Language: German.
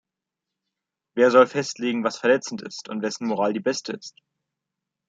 Wer soll festlegen, was verletzend ist und wessen Moral die beste ist?